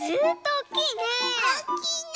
おっきいの。